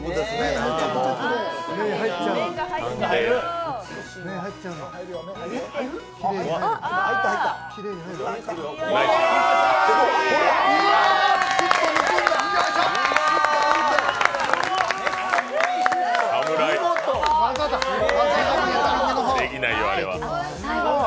できないよ、あれは。